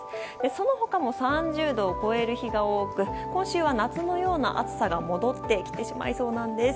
その他も３０度を超える日が多く今週は夏のような暑さが戻ってきてしまいそうなんです。